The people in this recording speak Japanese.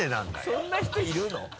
そんな人いるの？